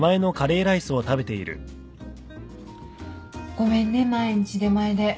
ごめんね毎日出前で。